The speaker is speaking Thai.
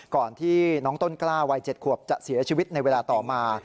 ก่อนที่น้องต้นกล้าวัย๗ขวบจะเสียชีวิตในเวลาต่อมา